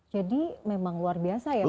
jadi memang luar biasa ya pak kiai